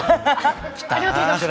ありがとうございます。